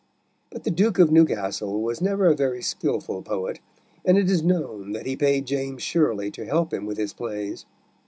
But the Duke of Newcastle was never a very skilful poet, and it is known that he paid James Shirley to help him with his plays.